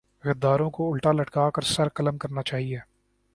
غداروں کو الٹا لٹکا کر سر قلم کرنا چاہیۓ